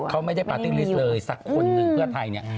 เขาไม่ได้ปาร์ตี้ลิสต์เลยสักคนหนึ่งเพื่อไทยเนี่ย